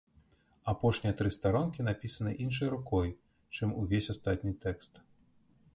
Апошнія тры старонкі напісаны іншай рукой, чым увесь астатні тэкст.